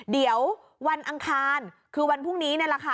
เดี๋ยววันอังคารคือวันพรุ่งนี้นี่แหละค่ะ